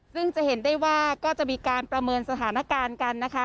ซึ่งจะเห็นได้ว่าก็จะมีการประเมินสถานการณ์กันนะคะ